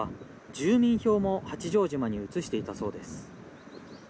住民票も八丈島に移していたそうです。